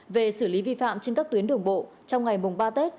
về xử lý vi phạm trên các tuyến đường bộ trong ngày mùng ba tết